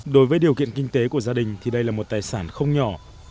đối với điều kiện kinh tế của gia đình thì đây là một tài sản không nhỏ